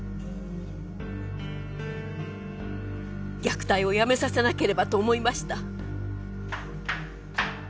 虐待をやめさせなければと思いました。